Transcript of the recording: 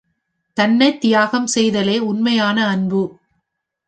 தன்னைத் தியாகம் செய்தலே உண்மையான அன்பு.